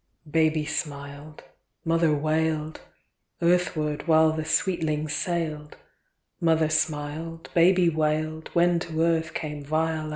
IX. Baby smiled, mother wailed, Earthward while the sweetling sailed; Mother smiled, baby wailed, When to earth came Viola.